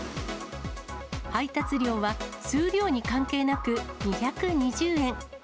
配達料は数量に関係なく２２０円。